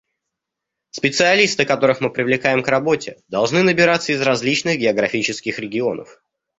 Специалисты, которых мы привлекаем к работе, должны набираться из различных географических регионов.